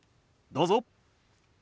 どうぞ。